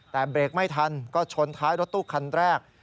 แต่เบรกไม่ทันก็ชนท้ายรถตู้คันแรก